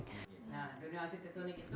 nah dunia artikulik itu